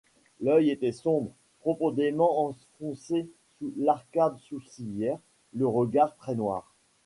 L'œil était sombre, profondément enfoncé sous l'arcade sourcilière, le regard très noir.